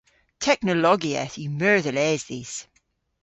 Teknologieth yw meur dhe les dhis.